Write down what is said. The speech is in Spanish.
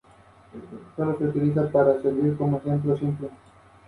Masahiko Ichikawa